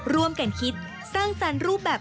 ร่วมกันคิดสร้างสรรค์รูปแบบ